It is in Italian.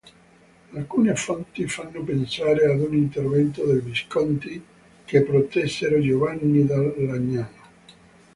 Alcune fonti fanno pensare ad un intervento dei Visconti, che protessero Giovanni da Legnano.